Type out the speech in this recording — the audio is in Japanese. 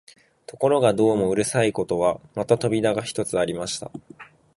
ところがどうもうるさいことは、また扉が一つありました